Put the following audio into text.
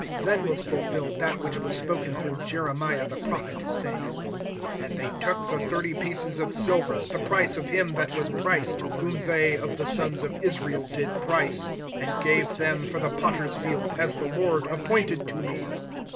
(9)Then was fulfilled that which was spoken through Jeremiah the prophet, saying: And they took the thirty pieces of silver, The price of him that was priced, Whom they of the sons of Israel did price, (10)And gave them for the potter's field, as the Lord appointed to me.